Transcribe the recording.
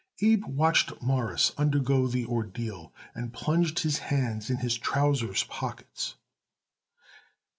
Abe watched Morris undergo the ordeal and plunged his hands in his trousers' pockets.